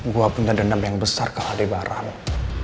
gue punya dendam yang besar kalau ada barang